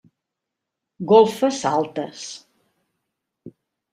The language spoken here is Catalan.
Golfes altes.